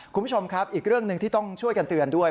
คุณผู้ชมครับอีกเรื่องหนึ่งที่ต้องช่วยกันเตือนด้วย